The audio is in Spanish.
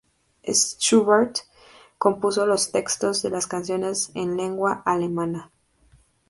Schubert compuso los textos de las canciones en lengua alemana.